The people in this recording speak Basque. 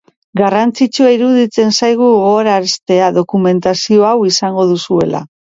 Garrantzitsua iruditzen zaigu gogoraraztea dokumentazio hau izango duzuela.